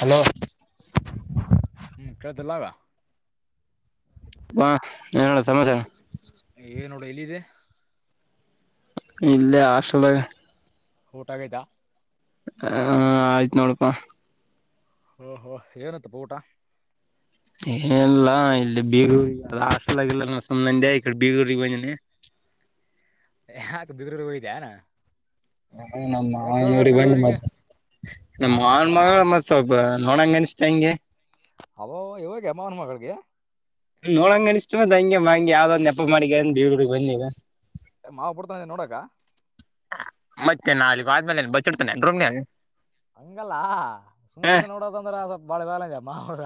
Hello. ಹ್ಮ್ ಕಾಳ್ದುಲ್ಲಾಗ. ಹಾ ಏನಣ್ಣ ಸಮಚರ. ಏ ನೋಡ್ ಎಲ್ಲಿದಿ. ಇಲ್ಲೇ ಹಾಸ್ಟೆಲ್ದಾಗ. ಊಟಗೈತ. ಹ ಆಯ್ತ್ ನೋಡಪ್ಪ. ಹೊ ಹೊ ಎನಾತಪ ಊಟ. ಏನುಲ್ಲಾ ಇಲ್ಲಿ ಬೀಗ್ರು ಅಲ್ ಹಾಸ್ಟೆಲಾಗ್ ಇಲ್ ನನ್ ಸುಮ್ನನಂದೇ ಈಕಡೆ ಬೀಗ್ರುರಿಗ್ ಬಂದೇನಿ. [inaudible] ಹ್ಯಾಕ್ ಬೀಗ್ರೂರಿಗ್ ಹೋಗಿದೀಯ. ಹೂ ನಮ್ ಮಾವೂನ್ ಊರಿಗ್ ಬಂದೀನ್ ನಾನು ನಮ್ ಹಾ ಮಾವೂನ್ ಮಗ್ಳು ಮಸ್ತ್. ಸೊಲ್ಬ ನೋಡಂಗನಿಸ್ತಾಂಗೆ. ಹಬಬಬ ಇವಾಗೆ ಮಾವೂನ್ ಮಗ್ಳಿಗೆ. ನೋಡಂಗನಿಸ್ತು ಮತ್ ಹಂಗೆ ಬಂಗೆ ಯಾವ್ದ ಒಂದ್ ನೆಪ ಮಾಡ್ಕೇಂದ್ ಬೀಗ್ರುರಿಗ್ ಬಂದ್ನಿಗ. ಮಾವ ಬುಡ್ತಾನೇನ್ ನೋಡಾಕ. ಮತ್ತೆ ನಾ ಅಲ್ಲಿಗ್ ಒದ್ಮೇಲ್ ಏನ್ ಬಚ್ಚಿಡ್ತನೆೇನ್ ರೂಮ್ನೇಗ. ಹಂಗಲ್ಲ ಸುಮ್ ಸುಮ್ನೆ ನೋಡದಂದ್ರ ಅದ್ ಬಾಳ ಇದಗ್ಲಾತೆ ಮಾವುಗ.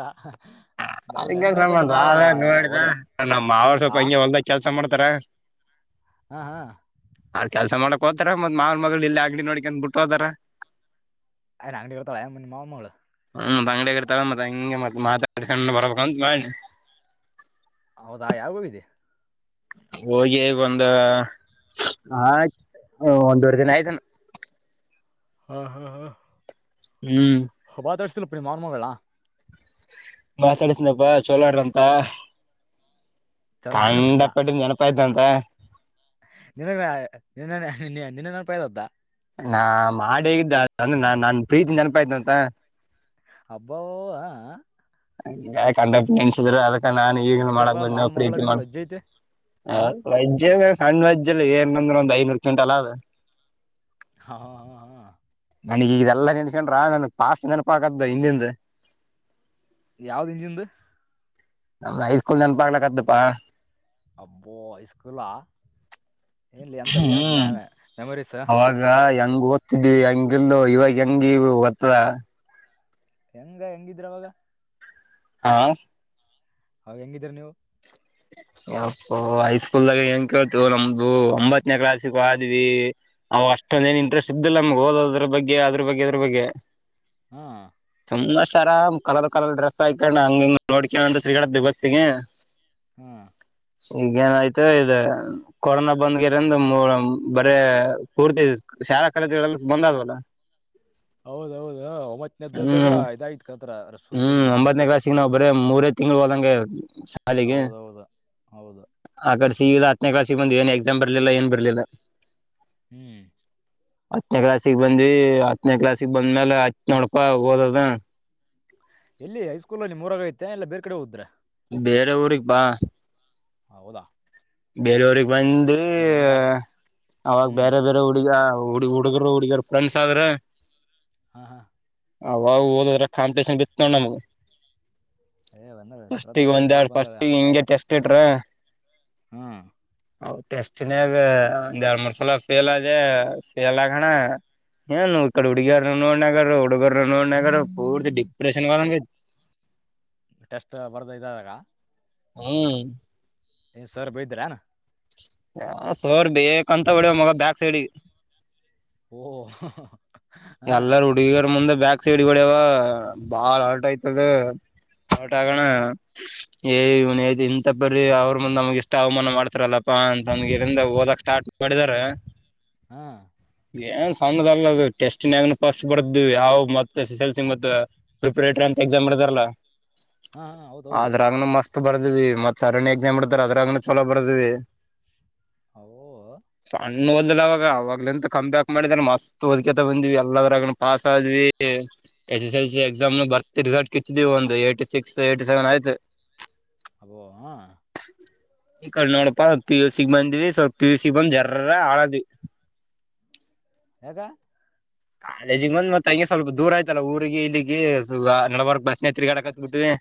ನಮ್ಗೇನ್ ಸಂಬಂಧ ನಾವ್ ಏನ್ ನೋಡಿದ್ವ ಹೋದ್ರ ನಮ್ಮ್ ಮಾವ ಸೋಲ್ಪ ಆ ಹಂಗೆ ಹೊಲ್ದಗ್ ಕೆಲ್ಸ ಮಾಡ್ತ. ತರ. ಹಾ ಹಾ. ಅವ್ರು ಕೆಲ್ಸ ಮಾಡಕ್ ಹೋತರೆ ಮತ್ ಮಾವನ್ ಮಗ್ಳು ಇಲ್ಲೇ ಅಂಗ್ಡಿ ನೋಡ್ಕ್ಯಾಂತ್ ಬಿಟೋತರ. ಏನ್ ಅಂಗ್ಡೆಗ್ ಇರ್ತಾಳೆನ್ ನಿಮ್ ಮಾವೂನ್ ಮಗ್ಳು. ಹ್ಮ್ ಮತ್ ಅಂಗ್ಡೇಗಿರ್ತಾಳ ಮತ್ ಹಂಗೆ ಮತ್ ಮಾತಾಡುಸ್ಕೆತ್ ಬರ್ಬಾಕಾಂತ್ ಮಾಡ್. ಹೌದಾ ಯಾವಾಗ್ಹೋಗಿದಿ. ಹೋಗಿ ಒಂದು ನಕ್. ಒಂದೂವರ್ದಿನ್ ಅಯ್ತೆನ. ಹಾ ಹಾ ಹಾ. ಹ್ಮ್. ಮಾತಾಡುಸ್ದ ಇಲ್ಲಪಾ ನಿಮ್ ಮಾವೂನ್ ಮಗ್ಳುನ್ನ. ಮಾತಾಡ್ಸಿದ್ನೆಪ ಚೋಲೋರ್ ಅಂತ. ಚಲೋ ಕಂಡಪಟಿದ್ ನೆನುಪಾಯ್ತಂತ. ನೀನುಗ ನಿನೆನೆ ನಿನ್ ನಿನ್ನೆ ನೆನ್ಪೈತ್ತಂತ. ನಾ ಮಾಡೋಗಿದ್ ಅಂದ್ರ ನಾ ನಾನ್ ಪ್ರೀತಿ ನೆನ್ಪೈತ್ತಂತ. ಹಬಬ ಹಾ ಹಾ. [unintelligible] ನಾನ್ ಈಗಿನೂ ಅಜ್ಜಪ್ಪ ಮಾಡಕ್ ಬಂದ್ನ್ಯ ಮಾನ್ ಮಗಳ ಪ್ರೀತಿನ. ನಿಂದು ಅಜ್ಜ ಐತೆ ಆ? ಸಣ್ ವಜ್ ಇರ್ಲಿ ಏನಂದ್ರ ಒಂದ್ ಐನೂರು ಕ್ಯುಂಟಲ್ ಅದ್ರ. ಹಾ ಹಾ ಹಾ. ನನಗ ಈದೆಲ್ಲಾ ನೆನ್ಸ್ಕೊಂಡ್ರ ನನ್ಗ್ ಪಾಸ್ಟ್ ನೆನಪ ಆಕದ್ದ ಹಿಂದಿಂದ ಯಾವ್ದ ಇಂದಿಂದು ನಮ್ ಹೈಸ್ಕೂಲ್ ನೆನಪಾಗಗಕ್ಕತ್ತಪಾ ಅಬ್ಬೋ ಹೈಸ್ಕಲಾ ಏನ್ಲ್ಲಿ ಎಂತಥಏನಮ ಹ್ಮ್ ಮೆಮೊರ ಅವಾಗ ಹೆಂಗ್ ಓದ್ತಿದ್ವಿ ಹಂಗಲ್ ಇವಾಗ ಹೆಂಗ ಇ ಓದತ್ತದ ಗೊತ್ತಾದ ಹೆಂಗ ಹೆಂಗಿದ್ರವಾಗ ಹಾ ಹ ಹೆಂಗಿದೀರ ನೀವು ಅಪ್ಪ ಹೈ ಸ್ಕೂಲ್ಗ ಏಂಗ ಕೇಳ್ತು ನಮ್ದು ಒಂಬತ್ತನೇ ಕ್ಲಾಸ್ಕ್ ಆದ್ವಿ ಅವವು ಅಷ್ಟೊಂದ ಏನ್ ಇಂಟ್ರೆಸ್ಟ್ ಇದ್ದಲ್ಲ ನಮ್ಗ್ ಹಓದೋದ್ರ ಬಗ್ಗೆ ಅದ್ರ ಬಗ್ಗೆ ಅದ್ರ ಬಗ್ಗೆ ಹ್ಮ ತಮ್ ಅಷ್ಟಾರ ಕಲರ್ ಕಲರ್ ಡ್ರಸ್ ಹಾಕಣ್ಣ ಹಂಗಂಗ ನೋಡ್ಕ ತಿರ್ಗಾಡ್ತಿದ್ವಿ [unintelligible] ಹ್ಮ್ ಈಗ ಏನಯ್ತು ಇ ಕೊರೋನಾ ಬಂದ್ಗಿರಂದ ಮೂ ಬರ ಪೂರ್ತಿ ಶಾಲಾ ಕಾಲೇಜುಗಳೆಲ್ಲ ಬಂದ ಅವಲ್ಲ ಹೌದೌದ ಒಮ್ಮತ್ತನದ್ದ್ದಾಗ ಹ್ಮ್ ಇದಾಯ್ತ್ ಕತ್ರ ರ ಹುಡ್ಕಡಿದ್ ಬರ ಮೂರೇ ತಿಂಗಳು ಹೋದಂಗೆ ಶಾಲಿಗೆ ಹೌದೌದು ಹೌದು ಆಕ ಈ ಹತ್ತನೇ ಕ್ಲಾಸ್ಗೆ ಬಂದು ಏನ್ ಎಕ್ಸಾಮ್ ಬರ್ಲಿಲ್ಲ ಏನ್ ಬರ್ಲಿಲ್ಲ ಹ್ಮ್ ಹತ್ತನೇ ಕ್ಲಾಾಸಿಗೆ ಬಂದ್ವಿ ಹತ್ತನೇ ಕ್ಲಾಾಸಿಗೆ ಬಂದ್ಮೇಲೆ ಹತ್ ನೋಡಪ ಹೋದದ ಎಲ್ಲಿ ಹೈಸ್ಕೂಲ್ ಅಲ್ಲಿ ನಿಮೂರಾಗ ಐತೆ ಇಲ್ಲ ಬೇರೆ ಕಡೆ ಹೋದ್ರೆ ಬೇರೆ ಊರಿಗೆರಿಗೆ ಬಾ ಹೌದಾ ಬೇರವ್ರಗ್ ಬಂದು ಏನು ಹೆಂಗ ಅವಾಗ ಹ್ಞೂ ಬೇರೆ ಬೇರೆ ಹುಡುಗ ಹುಡುಗ ಹುಡುಗರು ಹುಡುಗರ್ ಫ್ರೆಂಡ್ಸ್ ಆದ್ರೆ ಹಾ ಹಾ ಅವಾಗ ಓದದ್ರ ಕಾಂಪಿಟೇಷನ್ ಬಿತ್ತ ನೋಡ್ ನಮಗ ಏ ಬಂದ ಫಸ್ಟಗ ಚಲೋತ್ನಾಗ ಒಂದ್ ಆಗಿತ್ತು ಎರಡು ಬಿಡಪ್ಪ ಫಸ್ಟ್ ಹಿಂಗಗೆ ಟೆಸ್ಟ್ ಇಟ್ರ ಹ್ಮ್ ಅವ್ ಟೇಸ್ಟ್ನಗ ಒಂದ್ ಎರಡ್ ಮೂರ್ ಸಲ ಫೇಲ್ ಅದೇ ಫೇಲಾಗನ್ನ ಅಲ್ಣ ಏನುವು ಇಕ್ಕಡೆ ಹುಡಿಗರು ನೋಡ್ ನಗರು ಹುಡುಗರು ನೋಡಿನಗರು ಪೂರ್ತಿ ಡಿಪ್ರೆಷನ್ ಗೆ ಹೋದಾಗಹಾತ್ತು ಟೆಸ್ಟ್ ಬರ್ದ ಇದಾದಾಗ ಹ್ಮ್ ಏ ಸರ್ ಬೈದ್ರನಾ ಹ ಸೋರ್ ಬೇಕಂತ ಹೊಡವ ಮಗ ಬ್ಯಾಕ್ ಸೈಡ್ಗೆ ಓ ಹಾಂ ಎಲ್ಲಾರ ಹುಡುಗಿಗರ್ ಮುಂದೆ ಬ್ಯಾಕ್ ಸೈಡ್ಗಡ್ಯವ ಬಾಳ್ ಹರ್ಟ್ ಆಯ್ತದ ಹೊಟಾಕಣ ಹಾ ಹಾ ಏ ಇವನ ಐ ಇಂತ ಬರೀ ಅವ್ರರು ಮುಂದ್ ನಮ್ಗೆ ಇಷ್ಟ ಅವಮಾನ ಮಾಡ್ತಾರಲ್ಲಪ್ಪಾ ಅಂತಂದ ಇರಿಂದ ಓದಕ್ ಸ್ಟಾರ್ಟ್ ಬಡಿದಾರ ಹಾ ಏನ್ ಸ್ಣದ ಅಲ್ಲ ಅದು ಟೆಸ್ಟ್ಗ ಪಫಸ್ಟ್ ಬರ್ದುು ಯಾವ ಮತ್ತ ಎಸ್ ಎಸ್ ಎಲ್ ಸಿ ಮ ಪ್ರಿಪರೇಟರಿ ಅಂತ ಎಕ್ಸಾಮ್ ಇರದಾರಲ್ಲ ಹಾ ಹ ಹೌದೌದು ಬರ್ದ್ವಿ ಮತ್ತತ್ ಸರಣ್ಯ ಎಕ್ಸಾಮ್ ಇಡ್ತಾರೆ ಅದ್ರಾಗನ ಚಲೋ ಬರ್ದಿವವಿ ಹ ಇ ಓದ್ಲ್ಲವಾಗ ಅವಾಗ್ಂತ ಕಂಬ್ಯಾಕ್ ಮಾಡಿದ್ರ ಮಸ್ತ್ಓದ ಬಂದ್ವಿ ಎಲ್ಲರಗ ಪಾಸ್ ಆದ್ವಿ S S L C exam ನ ಬರ್ತಿ ರಿಸಲ್ಟ್ ಕಿಚ್ಚಿದಿವವಿ ಒಂದ ಎಂಟ್ಯಾಸಿಕ್ಸ್ ಹೆಟಿಸೆವೆನ್ ಆಯ್ತು ಸವೆನ್ ಆಯತು ಅಬೋ ಹಾ ಈ ಕ ನೋಡಪಾ ಸ್ ಪಿ ಯು ಸಿಗ್ ಬಂದ್ವಿ ಸ್ವಲ್ಪ ಪಿ ಯು ಸಿಿಗೆಗ್ ಬಂದ್ ಜರರ ಆಳದ್ವಿ ಹಗ ಕಾಲೇಜಿಗೆಗ್ ಬಂದ ಮತ್ತತ್ೆ ಹಂಗೆ ಸ್ವಲ್ಪ ದೂರ ಆಯ್ತಲ್ಲಾ ಊರಿಗೆ ಇಲ್ಲಿಗೆ ಸುಗ ನಡವರ್ಕ್ ಬಸ್ನೆ ತಿರ್ಗಾಡಕತ್ ಬಿಿಟ್ಟವಿ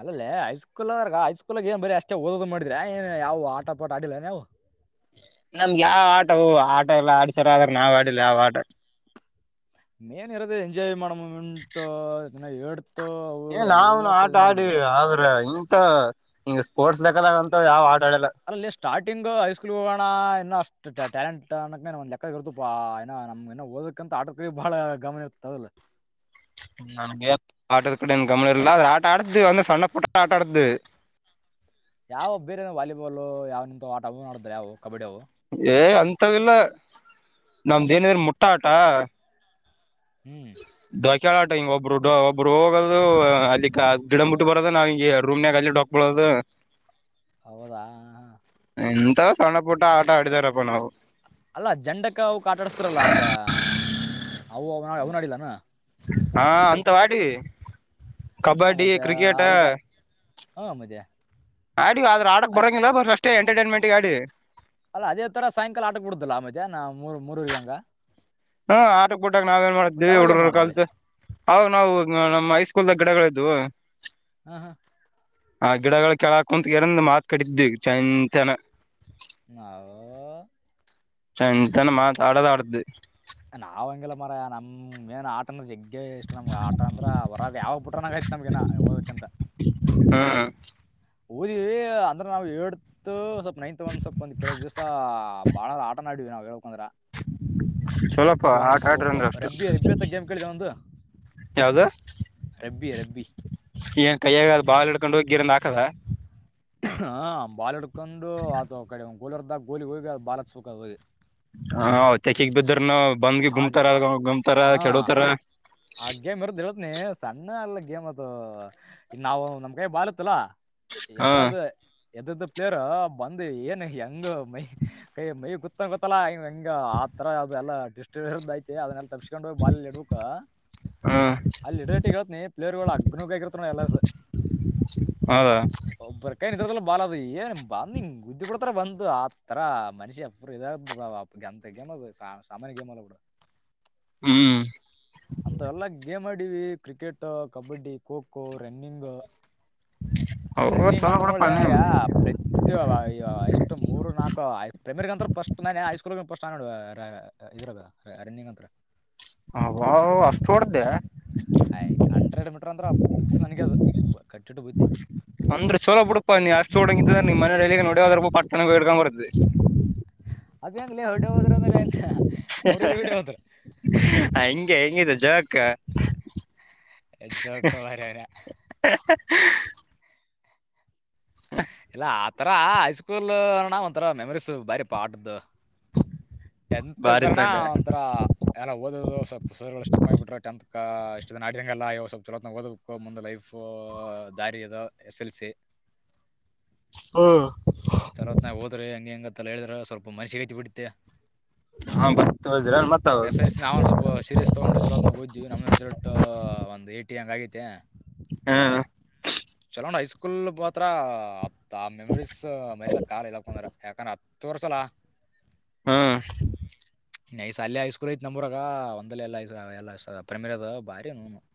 ಅಲ್ಲಲ್ಲೇ ಹಐಸ್ಕೂಲ್ಂದ್ರಾಗ ಹಐಸ್ಕೂಲ್ಗ ಏನ್ ಬರಿೀ ಅಷ್ಟೇ ಓದೋದು್ ಮಾಡಿದ್ರ ಏ ಯಾವವು ಆಟಪಾಟ ಆಡಿಿಲ್ಲ ನಾವು ನಮ್ಗೆ ಯಾವ ಆಟ ಆಟ ಎಲ್ಲ ಆಡ್ಸಾರ ಆದ್ರ ನಾವ್ ಆಡಿಿಲ್ಲ ಯಾವ ಆಟ ಮೇನ್ ಇದನ್ನ ಹೇಳಳ್ ಏ ನಾವನು ಆಟ ಆಡಿ ಆದ್ರ ಇಂತ ಈಂಗ ಸ್ಪೋರ್ಟ್ಸ್ ೇಕದಾಗಂತ ಯಾವ್ ಆಟ ಆಡಲ್ಲ ಅಲ್ಲಲ್ಲಿ ಸ್ಟಾರ್ಟಿಂಗ್ ಹೈಸ್ಕೂಲ್ ಹೋಗೋಣ ಇನ್ನು ಅಷ್ಟು್ಟ ಟ್ಯಾಲಂ ಅಕ್ ಒ್ ಲೆಕ್ಕಿರ್ತಪಾ ಏನ ನಮ್ ಏ ಓದಕಂತ ಆಟ ಬಾಳ ಗಮನ ಇರ್ತದಲ್ಲ ನನ್ ಆಟದ ಕೂಡ ಏನ್ ಗಮನ ಇಲ್ಲ ಆದ್ರೆ ಆಟ ಆಡ್ದು ಒಂದ ಸಣ್ಣ ಪುಟ್ಟ ಆಟಾ ಆಡ್ದು ಯಾವ ಬೇರೆನ ವಾಲಿಬಾಲ್ ಯಾವ ನಿಂತ ಆಟ ಮಾಡುದ್ರ ಯಾವವು ಏ ಅಂತವಲ್ಲ ಹ್ಞೂ ನಮ್ದೇನಿದ್ರ ಮುಟ್ಟ ಆಟ ಹ್ಮ್ ಕೇಳಾಟ ಹಿಂಗ ಒಬ್ರು ಒಬ್ರು ಹೋಗೋದು ಅಲ್ಲಿ ಗಿಡಂಬ ಬಿಟ್ಟು ಬರೋದು ನಾವ್ ಹಿಂಗ ರೂಮ್ನಾಗ ಅಲ್ಲಿ ಡಕ್ಬೋದು ಹೌದಾ ಹಾ ಎಂತ ಸಣ್ಣ ಪುಟ್ಟ ಆಟ ಆಡಿದಾರಪ್ಪ ನಾವು ಅಲ್ಲ ಜಂಡಕ್ಕ ಅವ ಕಾಟಾಡಸ್ತಾರಲ್ಲ ಆಗ ಅವವು ಅವನ ಅವ್ನಾಡಲ್ಲಾನ ಹಾ ಅಂತ ಮಾಡಡಿ ಹಾ ಕಬಡ್ಡಿ ಮತ್ತೆ ಕ್ರಿಕೆಟ ಅವುಗ ಹಾ ಮದಯಾ ಆಡಿ ಆದ್ರ ಆಡಕ್ ಬರೋಂಗಿಲ್ಲ ಬ ಅಷ್ಟೇ ಎಂಟರ್ಟೈನ್ಮೆಂಟ್ಗ ಆಡಿ ಅಲ್ಲ ಅದೇ ತರ ಸಾಯಂಕಾಲ ಆಟಕ್ ಬಿಡುದಿಲ್ಲಾ ಆ ಮಧ್ಯೆ ನಾ್ರ್ ಮೂರೂಗಂಗ ಹ್ಮ ಆಟಕ್ ಕೊಟ್ಟಕ್ ನಾವ್ ಏನ್ ಮಾಡತೀವಿ ಏನ್ ಹುಡ್ರ ಮಾಡಿದ್ರಿ ಕಲ್ಸ ಅವ ನಾವು ನಮ್ಮ್ ಐಸ್ ಗಿಡಗಳಿದವು ಹಾ ಹಾ ಆ ಗಿಡಗಳು ಕೆೇಳಾಕತ್ ಎರಂದ್ ಮಾತ್ ಕಟ್ಟಿದ್ವಿ ಚಂತನ ನಾ ಸಂತಾನೆ ಮಾತ್ ಆಡೋದ ಆಡ್ದ ನಾವುಂಗಲ್ಲ ಮರ ನಮ್ ಮೇನ್ ಆಟನ ಜಗ್ ಅ ಎಷ್ಟ್ ನಮ್ಗ ಆಟ ಅಂದ್ರ ಹೊರಾಗ ಯಾವ ಪುಟ್ರನಾಗ ಆಯ್ತ್ ನಮಗಗೆ ಓದಕ್ಕಿಂತ ಹ್ಮ್ ಓದಿವವಿ ಅಂದ್ರ ನಾವು ಏಡ್ತ್ ಸ್ವಲ್ಪ್ ನೈನ್ತ್ ಒಂದ್ ಸ್ವಲ್ಪ ಒಂದ್ ಕೆಲವ ದಿವಸ ಬಾಳ ಆಟ ನಡವಿ ನಾವವು ಹೇಳ್ಕಂದ್ರ ಚಲೋಪ ಪ್ರತಿಯೊಂದು ಆಟ ಖೋ ಆಡ್ರಿ ಖೋ ಅಂದ್ರ ಅಷ್ಟ ರಬ್ಬಿ ರಬ್ಬಿ ಹತ್ತ ಗೇಮ್ ಕೇಳಿದೆ ಒಂದು ಯಾವ್ದ ರಬ್ಬಿ ರಬ್ಬಿ ಏನ್ ಕೈಯಾಗ ಅ್ ಬಾಲ್ ಹಿಡ್ಕೊಂಡು ಹೋಗಿ ಗಿರಿಂದ ಹಾಕದ ಹ ಬಾಲ್ ಹಡ್ಕೊಂಡು ಅತ ಕಡೆ ಗೋಲಿರ್ದಾಗ ಗೋಲಿ ಹೋಗಿ ಅದು ಬಾಲ್ ಹತ್ಕೋಗಿ ಹ ತೆಕಿಗ್ ಬಿದ್ದರ್ ನ ಆಗ್ ಹ ಆಗ್್ಯ ಮರದಳತ್ನ ಸಣ್ಣ ಅಲ್ಲ ಗೇಮ್ದು ಇ ನಾವು ನಮ್ ಕೈ ಬಾಲತ್ತಲಾ ಹ ಎದ್ರದು ಎದ್ದದ ಪ್ಲೇರ್ ಬಂದು ಏನು ಹೆಂಗ ಮೈ ಕೈ ಮೈ ಗೂತ್ತಂಗ ಗೊತ್ತಲ್ಲಾ ಹಂಗ ಆರ ಅದೆಲ್ಲ ಡಿಸ್ಟ ಇರದ್ದ ಐತೆ ಅದನ್ನೆಲ್ಲ ತಪ್ಸ್ಕೊಂಡ್ ಹೋಗಿ ಬಾಲ್ಲಿ ಇಡಬೇಕ ಅಲ್ಲಿ ಲಡರೇಟಿ ಹೇತ್ನ ಪ್ಲೇಯರ್ಗಳು ಅಗ್ನಿಗ್ ಆಗರತ ನೋ ಎಲ್ಲಾರ್ಸ ಹೌದಾ ಕೈ ಇದದ ಬಾಲದು ಏನ್ ಬ ನಿ ಗುದ್ದಿ ಕೊಡ್ತಾರ ಬಂದ್ ಆತರ ಮನುಷಿ ಎಬ್ರು ಇದ ಎಂತ ಗೇಮ ಅದು ಸಾ ಸಾಮಾನ್ಯ ಗೇಮ ಅ ಹ್ಮ್ ಅಂತ ಎಲ್ಲ ಗೇಮ್ ಮಾಡೀವಿ ಕ್ರಿಕೆಟ್ ಕಬಡ್ಡಿ ಖೋ ಖೋ ರನ್ನಿಂಗ್ ಓ ರನ್ನಿಂಗ್ ಚಲೋ ಅಂತ ನೋಡ ಬಿಡಪಾ ನನಾಗ ನೀನ್ ಪ್ರತಿ ಎಷ್ಟು ಮೂರು ನಾಲ್ಕು ಪ್ರೇಮರ್ ಅಂತ ಫಸ್ಟ್ ನಾನ ಹಐ ಸ್ಕೂಲ್ ಪಫಸ್ಟ್ ಆ ನೋಡುವ ಇದ್ರ ರನ್ನಿಂಗ್ ಅಂತತ್ರ ಅವ್ ಅಷ್ಟ್ ಹೊಡ್ದ ಆಯ್ ಹಂಡ್ರೆಡ್ ಮೀಟರ್ ಅಂದ್ರೆ ಪಿಕ್ಸ್ ನಂಗೆ ಅದು ಕಟ್ಟಿಟ್ಟು ಬುತ್ತಿ ಅಂದ್ರೆ ಚಲೋ ಬಿಡುಪ್ಪ ನೀನ್ ಅಷ್ಟು ಹೋಡಂಗಿದ ನಿನ್ ಮನಲ್ಲಿ ನೋಡಿದ್ರು ಪಾ ಚೆ ಹೇಳ್ಕೊಂಡ್ ಬರ್ತದೆ ಅದಂದಿಲ್ಲ ಹಡ ಮಾತ್ರ ಅಂದ್ರ ಅವ್ರಲ್ಲಿ ಹಡ ಮಾತ್ರ ಯಾಕ ಎಜ್ಜೋಕ್ಕ ಅವರವರ ಇಲ್ಲ ಆತರ ಹೈಸ್ಕೂಲ್ ಅಣ್ಣ ಒಂತರ ಮೆಮರೀಸ್ ಬಾರಿ ಪಾರ್ಟ್ದ ಟೆಂತ್ಗೆ ಬಾರಿ ಬರೋಣ ತಂದೆ ಒಂಥರ ಎಲ್ಲ ಓದ ಸಾರ್ ಸ್ಟಿಕ್ ಅಗಿ ಮಾಡಿಬಿಟ್ಟ್ರರು ಟೆಂತ್ ಅ ಇಷ್ಟ ದ ಆಡಿದಂಗಲ್ಲ ಯ ಸ್ವಲ್ರತ್ ಓದ ಮುಂದ ಲೈಫ್ ದಾರದು ಎಸ್ ಎಲ್ ಸಿ [inaudible] ಚಲೋತ್ ನ ಹೋದ್ರೆ ಹೆಂಗ ಹೆಂಗತ್ತಲ್ಲ ಹೇಳಿದ್ರ ಸ್ವಲ್ಪ ಮನಸಿ ಬಿಡತ್ತೆ ಹಾ ಬತ್ತದ್ರ ಮತ್ತ ಸ್ವಲ್ಪ ಎಸ್ ಎಲ್ ಸಿ ನಾವವು ಒಂದು ಸ್ವಲ್ಪ ಸೀರಿಯಸ್ ತೊಗೊಂಡು ಚಲೋತ್ನಾಗ ಓದ್ವಿ ನಮ್ ರಿಸಲ್ಟ್ ಒಂದು ಈಟಿ ಎಂಗ ಆಗೈತೆ ಹಾ ಚಲೋಣ ಹೈ ಸ್ಕೂಲ್ ಪತ್ರ ಆ ಮೆಮರೀಸ್ ಮರ್ಯಾದಾ ಕಾಲ ಇಲ್ಲಂದ ಯಾಕ್ರ ತೋರ್ಸಲ ಹ್ಮ್ ನೈಸ್ ಅಲ್ಲಿ ಹೈಸ್ಕೂಲ್ ಐತ್ ನಮ್ಮೂರಾಗ ಒಂದಲ್ಲ ಎಲ್ಲಐ ಎಲ್ಲ ಪ್ರೆಮಿರ್ ಅದ ಭಾರಿ ನೂನು [inaudible]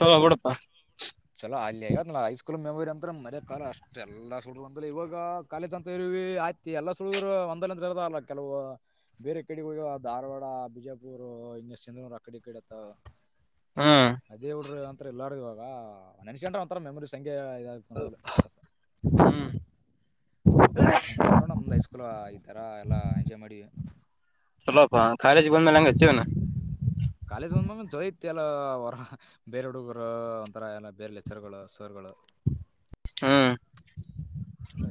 ಹೊ ಬಿಡಪ್ಪಾ ಚಲೋ ಅಲ್ಲಿ ಆಗ ಹೈಸ್ಕೂಲ್ ಮೆಮೋರಿ ಅಂತ್ರ ಮರಿ ಯಕಾಗಲ ಅಷ್ಟ ಎಲ್ಲ ಸುರ ಅಂತ ಇವಾಗ ಕಾಲೇಜ್ ಅಂತ ಆಯ್ತಿ ಎಲ್ಲ ಸ್ಕೂಲು ಒಂದಲಂದದ ಅಲ್ಲ ಕೆಲವು ಬೇರೆ ಕಡೆ ಹೋಗ ಧಾರವಾಡ ಬಿಜಾಪುರ್ ಇ ಸಂ ಆ ಕಡೆ ಕಡೆ ಆತ್ತ ಹ್ಮ್ ಅದೇ ಹುಡ್ರ ಅಂತ ಎಲ್ಲೂ ಇವಾಗ ನೆನೆಸ್ಕೊಡ್ರೆಒಂಥರಾ ಮೆಮರಿ ಇದಾಗತಡೋದಲ್ಲ ರಸ ಹ್ಮ್ ಹ ಐತ್ ನೋಡ ಮುಮ್ದ್ ಐ ಸ್ಕೂಲ್ ಈ ತರ ಎಲ್ಲಾ ಎಂಜಾಯ್ ಮಾಡೀ ಅಲ್ಲೋ ಅಪ್ಪ ಕಾಲೇಜ್ ಬಂದ ಮೇಲೆ ಅಗ್ಗ ಇರ್ತಿವೆನು ಜೋಯತಿ ಎಲ್ಲ ಹೊರ ಬೇರೆ ಹುಡುಗರು ಒಂತರ ಎಲ್ಲ ಬೇರೆ ಲೆಚ್ಚರ್ಗಳು ಸರ್ ಗಳು [inaudible] ಹ್ಮ್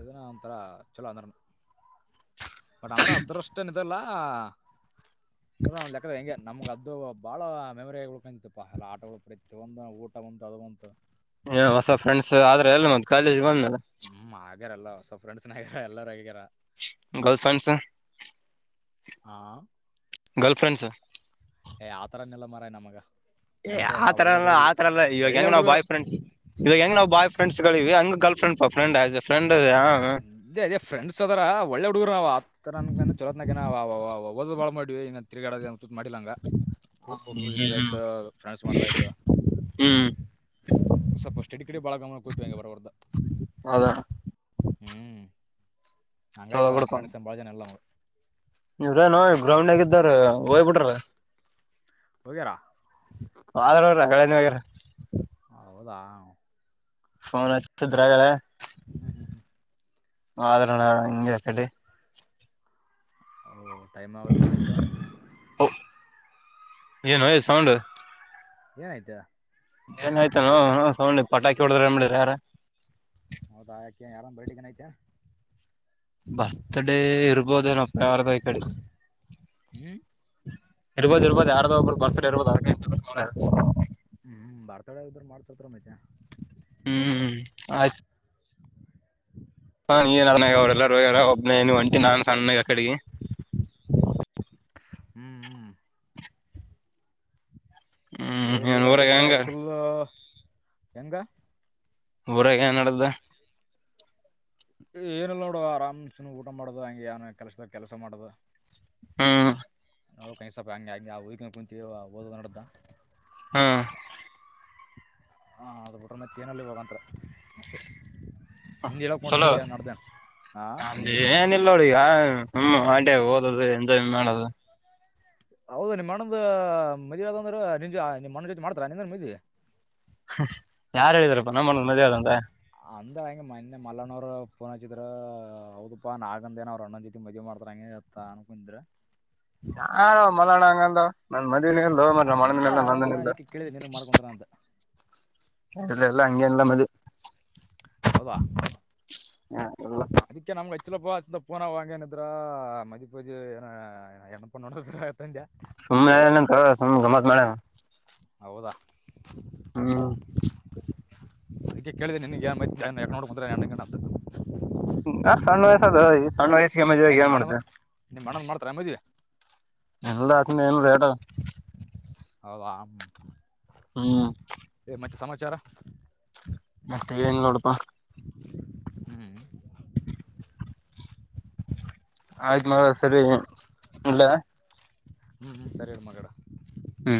ಇದ ಒಂಥರ ಚಲೋ ಅಂದ್ರ ಬಟ್ ಅಂದ್ರೆ ಅದ್ರಷ್ಟೇನ್ ಇ ಇದಲ್ಲ ಹ ಇರೋ ಒಂದ್ ಲೆಕ್ಕದಾಗ ನಮ್ಗೆ ಅದು ಬಾಳ ಮೆಮೊರಿಗಳು ಕಪ್ಪಾ ಎಲ್ಲ ಆಟಗಳು ಪ್ರತಿ ಒಂದು ಊಟ ಬಂತು ಅದು ಬಂತು ಹ ಹೊಸ ಫ್ರೆಂಡ್ಸ್ ಆದ್ರ ಎಲ್ಲ ಮ ಕಾಲೇಜ್ ಬಂದಲ್ಲ ಹ್ಮ್ ಹೊಸ ಫ್ರೆಂಡ್ಸ್ ಆಗ್ಯಾರ ಎಲ್ಲಾರು ಆಗ್ಯಾರ ಗರ್ಲ್ಫ್ರೆಂಡ್ಸ್ ಹಾ ಗರ್ಲ್ಫ್ರೆಂಡ್ಸ್ ಏ ಆತರನ ಏನಿಲ್ಲ ಮಾರಾಯ ನಮಗ ಏ ಆ ತರ ಎಲ್ಲ ಆ ತರ ಎಲ್ಲ ಇವಾಗ ಒಳ್ಳೆ ಹೆಂಗ ನಾವ್ ಹುಡುಗರು ಬಾಯ್ ಫ್ರೆಂಡ್ಸ್ ಇವಾಗ ಹೆಂಗ್ ನಾವ್ ಬಾಯ್ ಫ್ರೆಂಡ್ ಫ್ರೆಂಡ್ಸ್ ಗಳಿಗೆ ಹಂಗ ಗರ್ಲ್ಫ್ರಂಡಫ್ರ ಆಸ್ ಫ್ರೆಂಡ್ ಅದೇ ಅದೇ ಫ್ರೆಂಡ್ಸ್ ಅದರ ಒಳ್ಳೆ ಹುಡುಗರು ನಾವ್ ಆತರ ನ ಚೊಲತ್ನಾಗ ಓದ ಭಾಳ ಮಾಡೀವಿ ಇಗ ತಿಗಡದಂತ ಮಾಡಿಲ್ಲಂಗ ಹುಡುಗರು ಜೊತೆಗ ಆಯ್ತ ಫ್ರೆಂಡ್ಸ್ ಮಾಡ್ದ ಆಯ್ತ ಹ್ಮ್ ಸಪೋಸ್ ಸಡಿಗಿಡಿ ಬಾಳ ಗಾಮ ಕೊಯಂಗ ಬರೋದ ಹೌದಾ ಹ್ಮ್ ಹಂಗಾಗಿ ಆ ಫ್ರಿನ್ಡ್ಸ್ ಎ ಬಾಳ ಜನ ಎಲ್ಲ ಇವ್ರೇ ನೋ ಗ್ರೌಂಡ್ ಆಗಿದ್ದಾರ ಹೋಗ್ಬಿಟ್ರ ಹೋಗರಾ ದೋಗರ ಹಳನಿ ವಗರ ಹೌದಾ ಫೋನ್ ಹಚ್ಚಿದ್ರಗಳೆ ಹ್ಞೂ ವಾದ್ರೂ ನಾಳೆ ಹಂಗೆ ಅಕಡಿ ಓ ಟೈಮ್ ಆಗುತ್ ಮತ್ತೆ ಏನೋ ಇದೆ ಸೌಂಡು ಏನ್ ಆಯ್ತಾ ಏನಾಯ್ತನೋ ಸೌಂಡ್ ಪಟಾಕಿ ಹೊಡಿದ್ರೇನ ಏನ್ ಮಾಡ್ಯಾರ ಯಾರ ಹೌದಾ ಆಕ ಏನ್ ಯಾರನ ಬರ್ಡೆಗಿನ್ ಐತೆನ ಬರ್ತ್ ಡೇ ಇರ್ಬೋದೇನಪ್ಪ ಯಾರದ ಈ ಕಡಿ ಹ್ಮ ಇರ್ಬೋದು ಇರ್ಬೋ ಯಾರೋ ಒಬ್ರು ಬರ್ತಡೆ ಇರ್ಬೋದು ಅದಕ್ಕೆ ಇಟ್ಟ ಹೊಲಸ ಮಾಡ್ಯರ ಹ್ಮ್ ಬರ್ತಡೇ ಇದ್ರ ಮಾಡ್ತತರ ಮತೆ ಹ್ಮ್ ಆಯ ಹಾ ನೀ ಅನಾಗ ಅವ್ರಲ್ಲ ಹೋಗ್ಯಾರಒಬ್ಬನೇ ಇನೀ ಒಂಟಿ ನಾನ್ ಸಣ್ಣಾಗ ಅಕಡಿಗೆ ಹ್ಮ್ ಹ್ಮ್ ಹ್ಮ್ ಹೋಗ್ರಿ ಏನ್ ಹೋಗ್ರಿ ಅದೇ ಊರಾಗ ನೀನ್ ಹೆಂಗ ಐಸ್ಕೂಲ್ ಹೆಂಗ ಊರಾಗ ಏನಡ್ದ ಏನಿಲ್ಲ ನೋಡ ಆರಾಮ ಸುಮ ಊಟ ಮಾಡುದು ಹಂಗೆನ್ ಕೆಲ್ಸಿದಾಗ ಕೆಲಸ ಮಾಡುದು ಹಾ ನೋಡೊಕಂಗೆ ಸ್ವಪ ಹಂಗೆ ಹಂಗೆ ಓದಕೆಂದ ಕುಂತವಿ ಓದದ ನಡ್ದ ಹಾ ಹಾ ಅದು ಬಿಟ್ರ ಮತ್ತ ಏನಲ್ಲಿ ಇವಾಗಂತರ ಅಷ್ಟೆ ಚಲೋ ಹಾ ಅದ ಏನಿಲ್ಲೋಡ ಇಗ ಹ್ಮ್ ಅದೆ ಓದದು ಎಂಜಾಯ್ ಮಾಡದು ಹೌದು ನಿಮಣಂದು ಮದವಿಯದಂದ್ರ ನಿಮ್ಮಣ್ಣ ಜೊತಿ ಮಾಡ್ತಾರ ನಿನಗ ಮದವಿ ಯಾರ ಹೇಳಿದರಪ್ಪ ನಮ್ಮ ಅಣ್ಣಂದ ಮದವಿ ಆದಂತ ಅಂದ ಹಂಗೆ ಮೊನ್ನೆ ಮಲ್ಲನವರು ಪೋನಚದ್ರಿ ಹೌದಪ್ಪಾ ನಾಗಂದೇನ ಅವ್ರು ಅಣ್ಣಂದ್ ಜೊತಿ ಮದುವಿ ಮಾಡ್ತಾರ ಹಂಗ ಹಿಂಗ ಅನಕುಂತಿದ್ರ ಯಾವವ ಮಲಣ ಹಂಗಂದವ ನಂಬಲ್ಲಿ ಏನಿಲ್ಲೊ ಮಾರಾಯ ಅಂತ ನಮಣ್ಣಂದು ಇಲ್ಲ ಅನ್ನೋದನ ನಂದನ ಇಲ್ಲ ಅದಕ್ಕೆ ಕೇಳಿದೆ ನಿನಗೆ ಮಾಡ್ಕೊಂತಾನ ಅಂತ ಇಲ್ಲ ಎಲ್ಲ ಹಂಗೇಲ್ಲ ಮದುವಿ ಹೌದಾ ಇಲ್ಲ ಅದಕ್ಕೆ ನಮ್ಗ ಹಚ್ಚಿಲಪ್ಪಾ ಪೋನವಾನಿದ್ರಾ ಮದ್ವಿ ಪದ್ವಿ ಹೆಣ್ಣ ಪಣ್ಣ ನೋಡಿದರಾತೆಂದಾ ಸುಮ್ನೆ ನಿನಗ ಸುಮ್ಮ ಗಮ್ಮತ ಮಾಡ್ಯಾನ ಹೌದಾ ಹ್ಮ ಅದಕ್ಕೆ ಕೇಳಿದೆ ನಿನಿಗೆ ಚೆನೈಗ ನೋಡ್ ಬಂದ್ರ ಹೆಣ್ಣ ಗಿಣ್ಣ ಅಂತ ಇನ್ನಾ ಸಣ್ಣ ವಯಸದೊ ಸಣ್ಣ ವಯಸಿಗೆ ಏ ಮದವಿಯಾಗಿ ಏನ ನಿಮ್ಮ ಅಣ್ಣ ಮಾಡುತ್ತಿ ನಿಮ್ಮ ಅಣ್ಣನ ಮಾಡ್ತಾರೆ ಮದುವೆ ಎಲ್ಲಾ ಅಂತಂದು ಇನ್ನಾ ಎಲ್ಲ ಲೇಟಾದ ಹೌದಾ ಹ್ಮ್ ಏ ಮತ್ತೆ ಸಮಾಚಾರ ಮತ್ತೆ ಏನಿಲ್ಲ ನೋಡಪಾ ಹ್ಮ [unintelligible] ಆಯ್ತ್ ಮಗ ಸರಿ ಇಡ್ಲಾ ಹ್ಮ್ ಹ್ಮ ಸರಿ ಇಡ ಮಗ ಇಡ ಹ್ಮ್